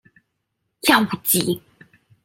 幼稚!